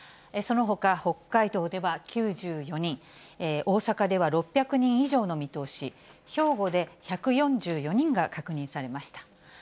そのほか、北海道では９４人、大阪では６００人以上の見通し、兵庫で１４４人が確認されました。